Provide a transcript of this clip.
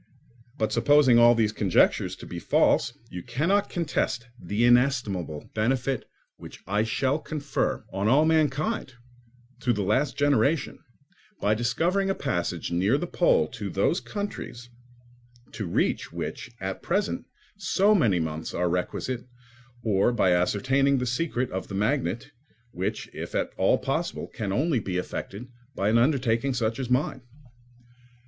But supposing all these conjectures to be false, you cannot contest the inestimable benefit which I shall confer on all mankind, to the last generation, by discovering a passage near the pole to those countries, to reach which at present so many months are requisite; or by ascertaining the secret of the magnet, which, if at all possible, can only be effected by an undertaking such as mine.